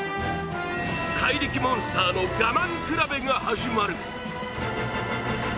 怪力モンスターの我慢比べが始まる。